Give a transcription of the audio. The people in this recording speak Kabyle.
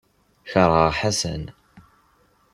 Keṛheɣ Ḥasan.